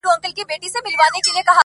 له عطاره یې عطرونه رانیوله،